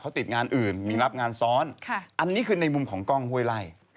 เขาติดงานอื่นมีรับงานซ้อนอันนี้คือในมุมของกล้องห้วยไล่